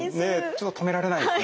ちょっと止められないですね。